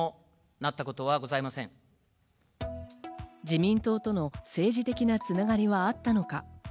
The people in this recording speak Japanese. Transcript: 自民党との政治的な繋がりはあったのか？